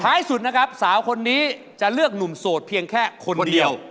สุดนะครับสาวคนนี้จะเลือกหนุ่มโสดเพียงแค่คนเดียว